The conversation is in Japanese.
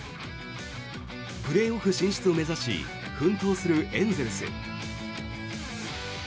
プレーオフ進出を目指し奮闘するエンゼルス。